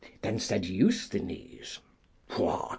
Then said Eusthenes: What!